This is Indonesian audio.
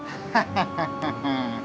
jadi gini saja